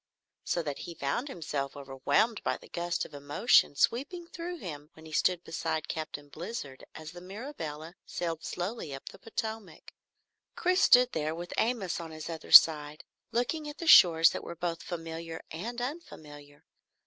So that he found himself overwhelmed by the gust of emotion sweeping through him when he stood beside Captain Blizzard as the Mirabelle sailed slowly up the Potomac. Chris stood there with Amos on his other side, looking at the shores that were both familiar and unfamiliar.